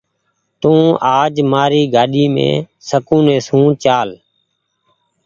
تو آج مآري گآڏي مين سڪونيٚ سون چآل۔